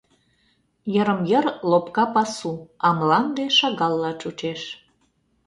Йырым-йыр — лопка пасу, а мланде шагалла чучеш.